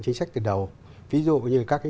chính sách từ đầu ví dụ như các cái